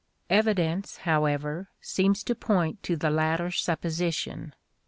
Evidence, however, seems to point to the latter supposition.